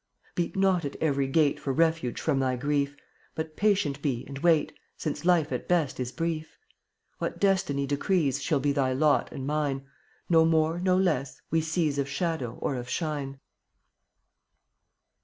Beat not at every gate For refuge from thy grief, But patient be and wait, Since life at best is brief. What Destiny decrees Shall be thy lot and mine — No more, no less, we seize Of shadow or of shine.